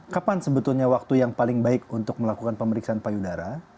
kapan sebetulnya waktu yang paling baik untuk melakukan pemeriksaan payudara